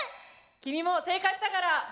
君も正解したから。